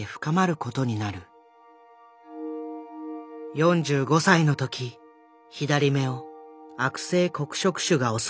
４５歳の時左目を悪性黒色腫が襲い眼球を摘出。